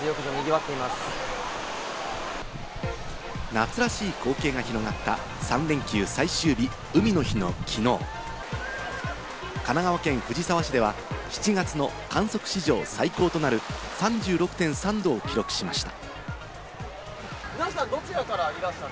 夏らしい光景が広がった３連休最終日、海の日のきのう、神奈川県藤沢市では７月の観測史上最高となる３６．３℃を記録しました。